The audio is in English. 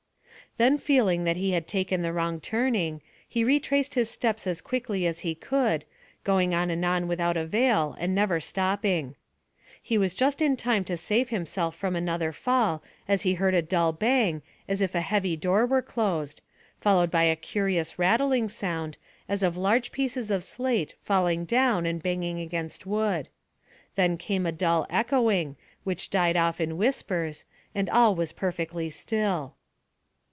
Then feeling that he had taken the wrong turning, he retraced his steps as quickly as he could, going on and on without avail and never stopping. He was just in time to save himself from another fall as he heard a dull bang as if a heavy door were closed, followed by a curious rattling sound, as of large pieces of slate falling down and banging against wood. Then came a dull echoing, which died off in whispers, and all was perfectly still.